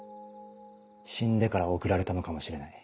死んでから送られたのかもしれない。